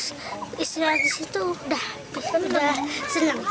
setelah di situ udah senang